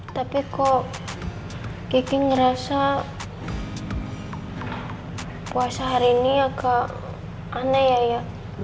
tapi kok kiki ngerasa puasa hari ini agak aneh ya ya